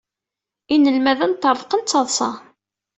Inelmaden ṭṭreḍqen d taḍsa.